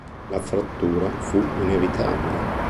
La frattura fu inevitabile.